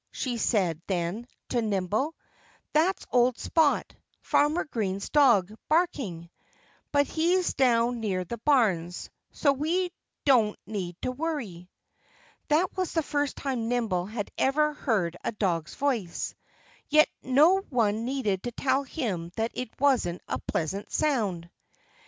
she said then, to Nimble. "That's old Spot Farmer Green's dog barking. But he's down near the barns, so we don't need to worry." That was the first time Nimble had ever heard a dog's voice. Yet no one needed to tell him that it wasn't a pleasant sound.